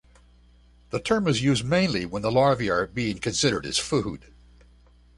The term is used mainly when the larvae are being considered as food.